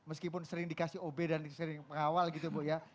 meskipun sering dikasih ob dan sering mengawal gitu bu ya